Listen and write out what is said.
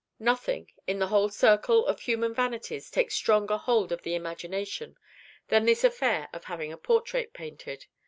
Nothing, in the whole circle of human vanities, takes stronger hold of the imagination than this affair of having a portrait painted.